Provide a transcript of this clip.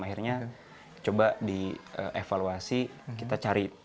akhirnya coba dievaluasi